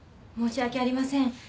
申し訳ありません。